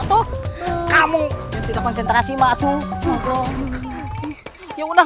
kita harus konsentrasi makasih